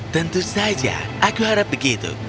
tentu saja aku harap begitu